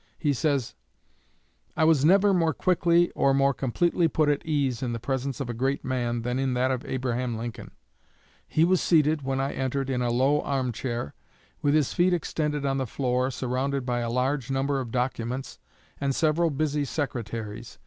He says: "I was never more quickly or more completely put at ease in the presence of a great man than in that of Abraham Lincoln. He was seated, when I entered, in a low arm chair, with his feet extended on the floor, surrounded by a large number of documents and several busy secretaries.